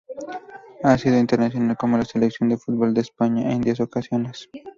Ha sido internacional con la Selección de fútbol de España en diez ocasiones.